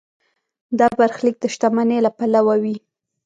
دا برخلیک د شتمنۍ له پلوه وي.